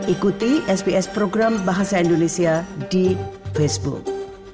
ikuti sps program bahasa indonesia di facebook